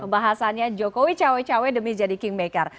pembahasannya jokowi cawe cawe demi jadi kingmaker